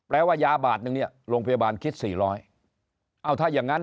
ว่ายาบาทนึงเนี่ยโรงพยาบาลคิด๔๐๐เอาถ้าอย่างงั้น